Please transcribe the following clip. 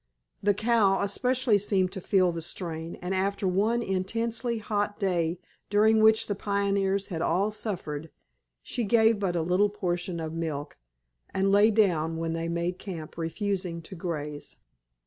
The cow especially seemed to feel the strain, and after one intensely hot day, during which the pioneers had all suffered, she gave but a small portion of milk, and lay down when they made camp refusing to graze.